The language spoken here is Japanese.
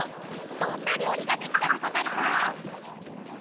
どんなりょうりができたでござるか？